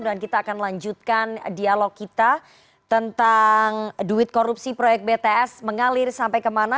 dan kita akan lanjutkan dialog kita tentang duit korupsi proyek bts mengalir sampai kemana